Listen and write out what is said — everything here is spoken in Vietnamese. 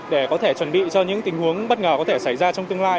để có thể chuẩn bị cho những tình huống bất ngờ có thể xảy ra trong tương lai